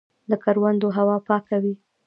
د کروندو هوا پاکه وي.